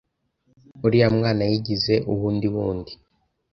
Uriya mwana yigize uwundiwundi.